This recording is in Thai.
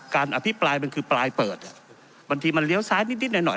อภิปรายมันคือปลายเปิดบางทีมันเลี้ยวซ้ายนิดหน่อยหน่อย